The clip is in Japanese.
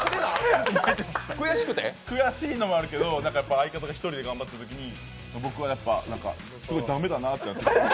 悔しいのもあるけど、相方が１人が頑張ってるときに僕がやっぱすごい駄目だなってなって。